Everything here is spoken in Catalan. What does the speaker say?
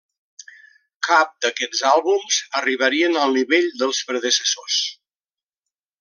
Cap d'aquests àlbums arribarien al nivell dels predecessors.